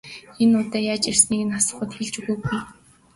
Нэг удаа яаж ирснийг нь асуухад хэлж өгөөгүй.